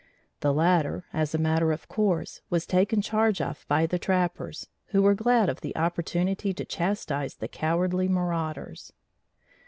The latter as a matter of course was taken charge of by the trappers, who were glad of the opportunity to chastise the cowardly marauders.